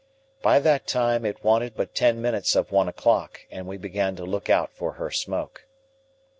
By that time it wanted but ten minutes of one o'clock, and we began to look out for her smoke.